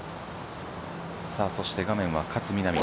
そして画面は、勝みなみ。